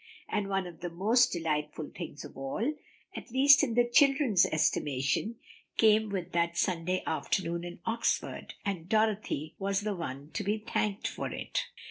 And one of the most delightful things of all at least in the children's estimation came with that Sunday afternoon in Oxford, and Dorothy was the one to be thanked for it.